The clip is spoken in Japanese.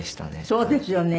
そうですよね。